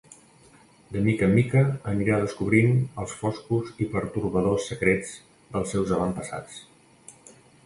De mica en mica, anirà descobrint els foscos i pertorbadors secrets dels seus avantpassats.